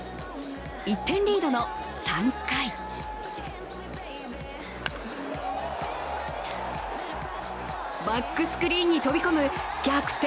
１点リードの３回バックスクリーンに飛び込む逆転